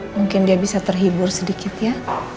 mungkin dia bisa terhibur sedikit ya